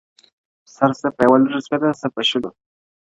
سر څه په يوه لوټه سپېره، څه په شلو.